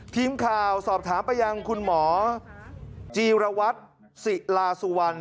ทีมข่าวสอบถามไปยังคุณหมอจีรวัตรศิลาสุวรรณ